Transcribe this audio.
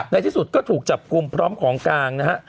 ในที่สุดก็ถูกจับกลุ่มพร้อมของกลางนะฮะ